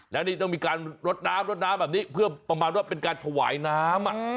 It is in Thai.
แล้วนี่ต้องมีการรดน้ำรดน้ำแบบนี้เพื่อประมาณว่าเป็นการถวายน้ำ